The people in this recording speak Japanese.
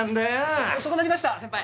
遅くなりました先輩！